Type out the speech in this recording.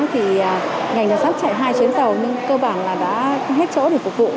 thì ngành đường sắt chạy hai chuyến tàu nhưng cơ bản là đã hết chỗ để phục vụ